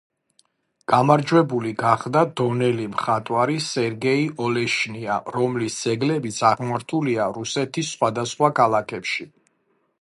გამარჯვებული გახდა დონელი მხატვარი სერგეი ოლეშნია, რომლის ძეგლებიც აღმართულია რუსეთის სხვადასხვა ქალაქებში.